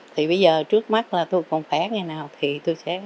thì bây giờ trước mắt là tôi còn khỏe như thế nào thì tôi sẽ làm giờ đó